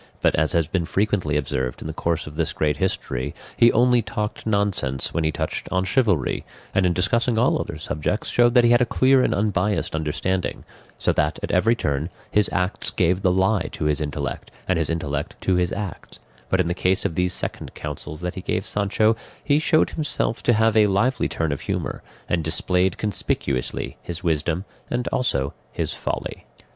But, as has been frequently observed in the course of this great history, he only talked nonsense when he touched on chivalry, and in discussing all other subjects showed that he had a clear and unbiassed understanding; so that at every turn his acts gave the lie to his intellect, and his intellect to his acts; but in the case of these second counsels that he gave Sancho, he showed himself to have a lively turn of humour, and displayed conspicuously his wisdom, and also his folly.